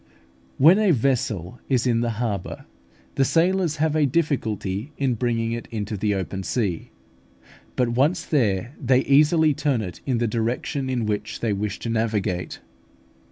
When a vessel is in the harbour, the sailors have a difficulty in bringing it into the open sea; but once there, they easily turn it in the direction in which they wish to navigate.